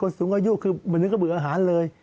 คนสูงอายุคือเหมือนกับเบื่ออาหารเลย